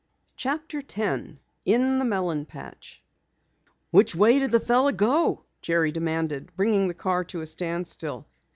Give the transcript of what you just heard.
CHAPTER 10 IN THE MELON PATCH "Which way did the fellow go?" Jerry demanded, bringing the car to a standstill.